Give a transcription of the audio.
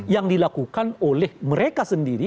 yang dilakukan oleh mereka sendiri